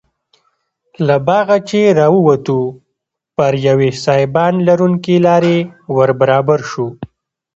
له باغه چې راووتو پر یوې سایبان لرونکې لارې وربرابر شوو.